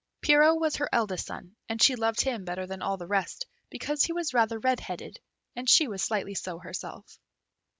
Pierrot was her eldest son, and she loved him better than all the rest because he was rather red headed, and she was slightly so herself.